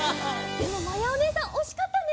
でもまやおねえさんおしかったね。